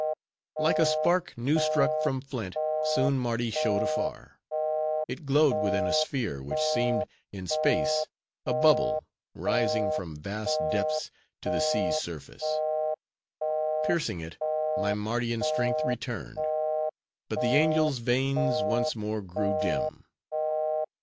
"Like a spark new struck from flint, soon Mardi showed afar. It glowed within a sphere, which seemed, in space, a bubble, rising from vast depths to the sea's surface. Piercing it, my Mardian strength returned; but the angel's veins once more grew dim.